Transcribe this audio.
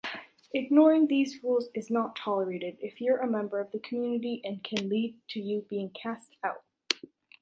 Ignoring these rules is not tolerated, if you’re a member of the community, and can lead to you being cast out.